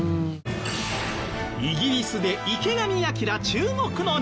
イギリスで池上彰注目のニュース。